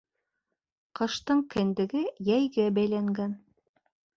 Ҡыштың кендеге йәйгә бәйләнгән.